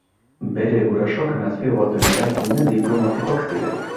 Bere gurasoak Nazio Batuen Erakundean diplomatikoak ziren.